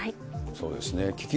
そうですね。